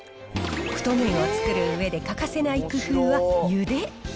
太麺を作るうえで、欠かせない工夫はゆで。